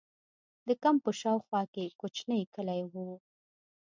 د کمپ په شا او خوا کې کوچنۍ کلي وو.